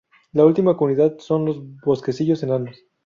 La última comunidad son los bosquecillos enanos.